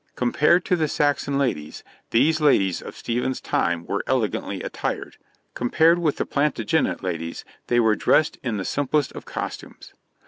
Compared with the Saxon ladies, these ladies of Stephen's time were elegantly attired; compared with the Plantagenet ladies, they were dressed in the simplest of costumes.